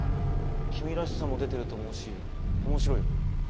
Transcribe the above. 君らしさも出てると思うし面白いよ。